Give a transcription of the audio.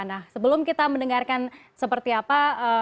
nah sebelum kita mendengarkan seperti apa